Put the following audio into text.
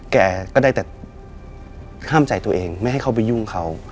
แกก็ได้แต่ห้ามใจตัวเองไม่ให้เขาไปยุ่งเขา